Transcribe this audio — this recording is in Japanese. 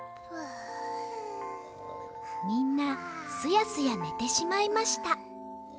みんなすやすやねてしまいました。